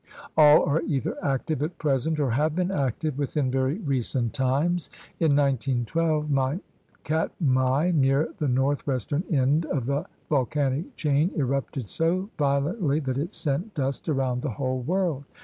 All are either active at present or have been active within very recent times. In 1912 Mount Katmai, near the north western end of the volcanic chain, erupted so violently that it sent dust around the whole world.